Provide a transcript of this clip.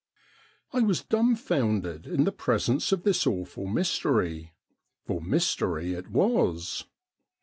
I was dumfoundered in the presence of this awful mystery, for mystery it was.